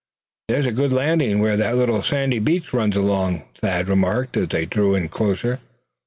"There's a good landing where that little sandy beach runs along," Thad remarked, as they drew in closer.